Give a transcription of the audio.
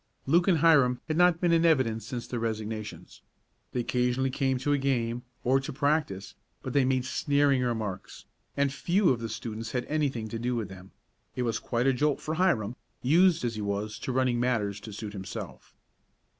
Luke and Hiram had not been much in evidence since their resignations. They occasionally came to a game, or to practice, but they made sneering remarks, and few of the students had anything to do with them. It was quite a jolt for Hiram, used as he was to running matters to suit himself.